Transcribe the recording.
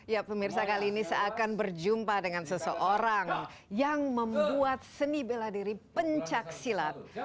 ya pemirsa kali ini seakan berjumpa dengan seseorang yang membuat seni beladiri pencak silat